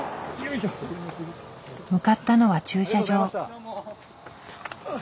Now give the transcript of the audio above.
向かったのは駐車場。